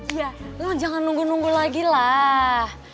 iya lo jangan nunggu nunggu lagi lah